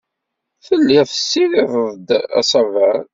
Telliḍ tessidireḍ-d asaber.